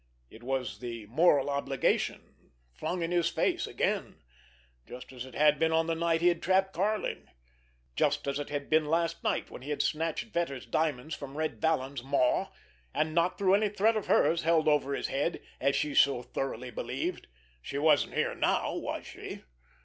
It was the moral obligation flung in his face again, just as it had been on the night he had trapped Karlin, just as it had been last night when he had snatched Vetter's diamonds from Red Vallon's maw, and not through any threat of hers held over his head, as she so thoroughly believed! She wasn't here now—was she?